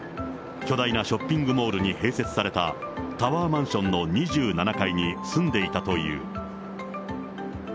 巨大なショッピングモールに併設されたタワーマンションの２７階に住んでいたという。